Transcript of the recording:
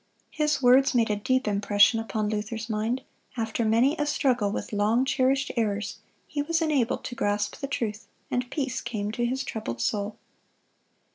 His words made a deep impression upon Luther's mind. After many a struggle with long cherished errors, he was enabled to grasp the truth, and peace came to his troubled soul.